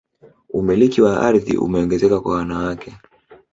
umiliki wa ardhi umeongezeka kwa wanawake